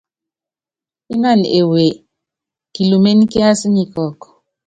Ínánɔ ewe kilúméne kiású nyi kɔ́ɔ́kɔ.